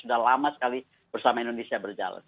sudah lama sekali bersama indonesia berjalan